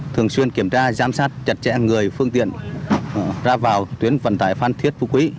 thường xuyên kiểm tra giám sát chặt chẽ người phương tiện ra vào tuyến vận tải phan thiết phú quý